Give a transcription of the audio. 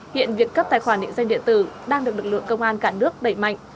hiện việc cấp tài khoản định danh điện tử đang được lực lượng công an cả nước đẩy mạnh